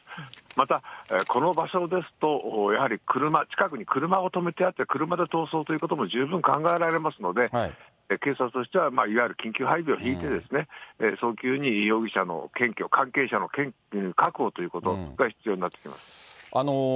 また、この場所ですと、やはり車、近くに車を止めてあって、車で逃走ということも、十分考えられますので、警察としては、いわゆる緊急配備を敷いて、早急に容疑者の検挙、関係者の確保ということが必要になってきます。